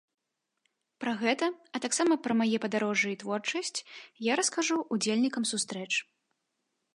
Пра гэта, а таксама пра мае падарожжа і творчасць я раскажу ўдзельнікам сустрэч.